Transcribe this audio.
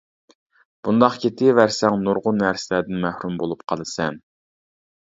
بۇنداق كېتىۋەرسەڭ نۇرغۇن نەرسىلەردىن مەھرۇم بولۇپ قالىسەن.